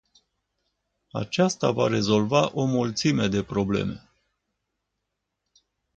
Aceasta va rezolva o mulțime de probleme.